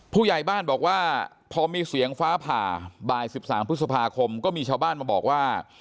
ผู้ใหญ่บ้านบอกว่าพอมีเสียงฟ้าผ่าบ่าย๑๓พฤษภาคมก็มีชาวบ้านมาบอกว่า